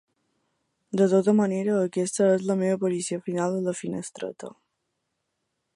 De tota manera, aquesta és la meva aparició final a la finestreta.